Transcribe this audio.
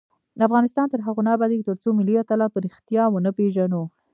افغانستان تر هغو نه ابادیږي، ترڅو ملي اتلان په ریښتیا ونه پیژنو.